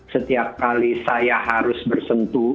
setiap kali saya harus bersentuh